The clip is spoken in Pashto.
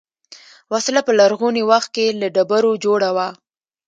وسله په لرغوني وخت کې له ډبرو جوړه وه